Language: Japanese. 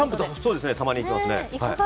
たまに行きますね。